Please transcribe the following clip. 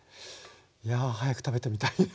いやぁ早く食べてみたいな。